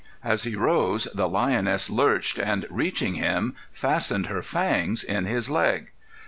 As he rose the lioness lurched, and reaching him, fastened her fangs in his leg.